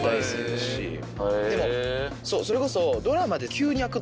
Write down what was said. でもそれこそ。